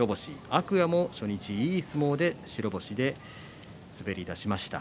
天空海も初日いい相撲で白星で滑り出しました。